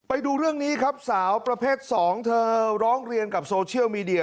ไปดูเรื่องนี้ครับสาวประเภท๒เธอร้องเรียนกับโซเชียลมีเดีย